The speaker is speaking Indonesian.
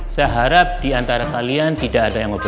saya harap diantara kalian tidak ada yang ngobrol